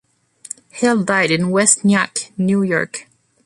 Hill died in West Nyack, New York.